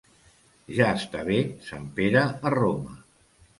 Ja està bé sant Pere a Roma.